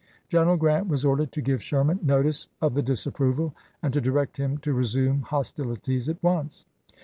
General Grant was ordered to give Sherman notice of the disapproval, and to direct him to resume hos tilities at once.